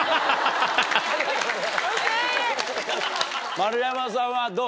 丸山さんはどう？